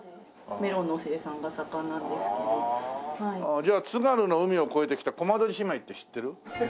じゃあ津軽の海を越えてきたこまどり姉妹って知ってる？